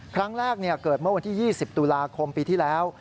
ครั้งแรกเกิดเมื่อวันที่๒๐ตุลาคมปีที่แล้ว